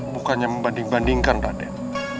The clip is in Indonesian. bukannya membanding bandingkan raden